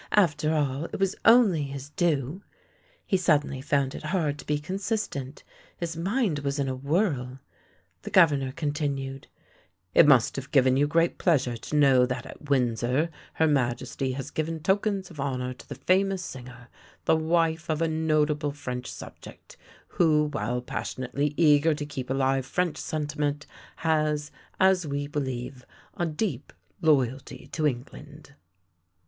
After all, it was only his due. He suddenly found it hard to be consistent. His mind was in a whirl. The Governor continued —" It must have given you great pleasure to know that at Windsor Her Majesty has given tokens of honour to the famous singer, the wife of a notable French subject, who, while passionately eager to keep alive French sentiment, has, as we believe, a deep loyalty to England."